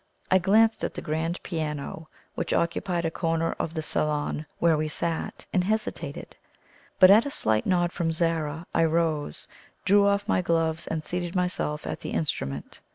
I glanced at the grand piano, which occupied a corner of the salon where we sat, and hesitated. But at a slight nod from Zara, I rose, drew off my gloves, and seated myself at the instrument.